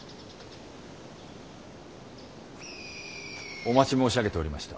お待ち申し上げておりました。